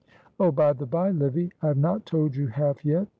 Oh, by the bye, Livy, I have not told you half yet.